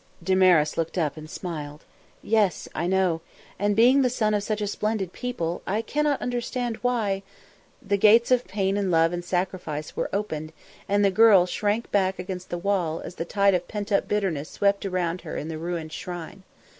Damaris looked up and smiled. "Yes! I know. And, being the son of such splendid people, I cannot understand why " The gates of pain and love and sacrifice were opened and the girl shrank back against the wall as the tide of pent up bitterness swept around her in the ruined shrine.